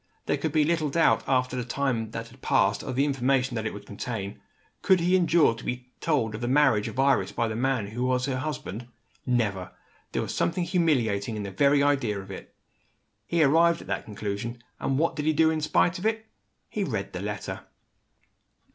There could be little doubt, after the time that had passed, of the information that it would contain. Could he endure to be told of the marriage of Iris, by the man who was her husband? Never! There was something humiliating in the very idea of it. He arrived at that conclusion and what did he do in spite of it? He read the letter.